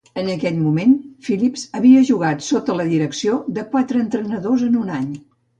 En aquell moment, Phillips havia jugat sota la direcció de quatre entrenadors en un any.